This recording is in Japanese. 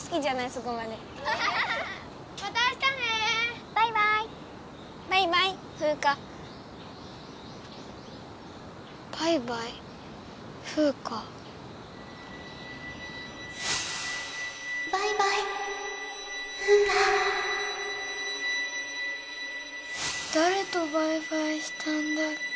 だれとバイバイしたんだっけ。